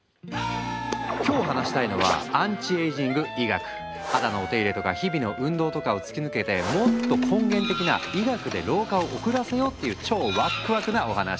今日話したいのは肌のお手入れとか日々の運動とかを突き抜けてもっと根源的な医学で老化を遅らせようっていう超ワックワクなお話。